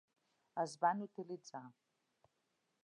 es van utilitzar.